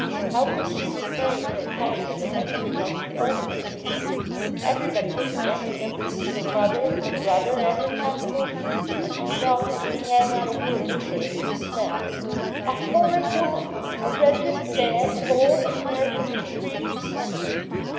How could she refrain from telling him that everything must be over between them? Everybody was against him, her mother, her brother, and her cousin: and she felt that she had not a word to say in his defence. A horrid woman! A wretched, bad, bold American intriguing woman!